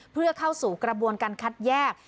เพื่อเข้าสู่กระบวนการคัดแยก